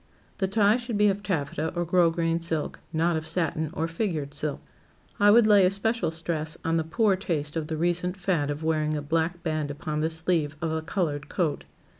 The tie should be of taffeta or grosgrain silk, not of satin or figured silk. I would lay especial stress on the poor taste of the recent fad of wearing a black band upon the sleeve of a colored coat.